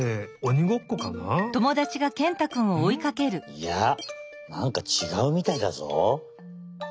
いやなんかちがうみたいだぞ。